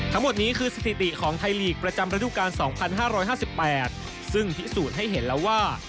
ทั้งหมดนี้คือสถิติของไทยลีกประจำระดูการ๒๕๕๘ซึ่งพิสูจน์ให้เห็นแล้วว่า